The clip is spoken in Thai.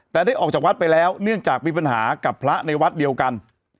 แต่ได้ออกจากวัดไปแล้วเนื่องจากมีปัญหากับพระในวัดเดียวกัน